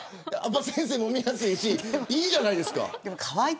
先生も見やすいしいいじゃないですか。